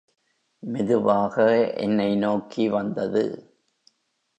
மெதுவாக என்னை நோக்கி வந்தது.